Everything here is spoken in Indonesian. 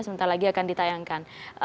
sebentar lagi akan ditayangkan